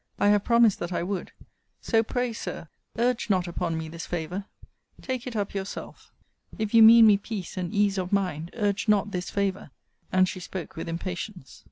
I have promised that I would So, pray, Sir, urge not upon me this favour. Take it up yourself. If you mean me peace and ease of mind, urge not this favour. And she spoke with impatience.